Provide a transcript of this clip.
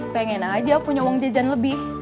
pengen aja punya uang jajan lebih